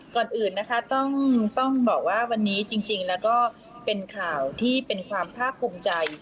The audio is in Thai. ก่อนอื่นนะคะต้องบอกว่าวันนี้จริงแล้วก็เป็นข่าวที่เป็นความภาคภูมิใจ